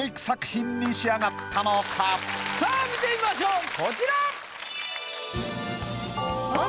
さぁ見てみましょうこちら！